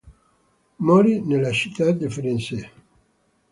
Morì nello stato della Virginia.